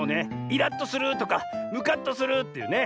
イラッとするとかムカッとするっていうね。